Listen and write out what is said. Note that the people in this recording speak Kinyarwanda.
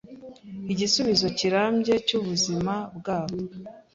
igisubizo kirambye cy’ubuzima bwabo